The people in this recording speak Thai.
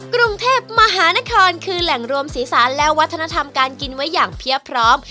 กรุงเทพมหานครคือแหล่งรวมสีสารและวัฒนธรรมการกินไว้อย่างเพียบพร้อม